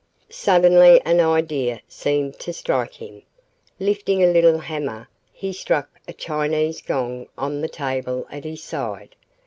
Suddenly an idea seemed to strike him. Lifting a little hammer, he struck a Chinese gong on the table at his side.